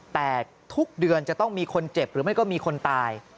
แต่ทุกเดือนจะต้องมีคนเจ็บหรือไม่ก็มีคนตาย